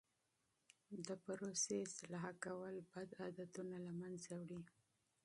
د پروسې اصلاح کول بد عادتونه له منځه وړي.